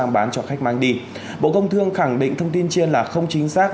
bộ công thương khẳng định thông tin trên là không chính xác